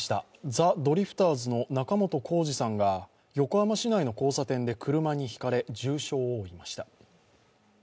ザ・ドリフターズの仲本工事さんが横浜市内の交差点で車にひかれ、重傷を負いました。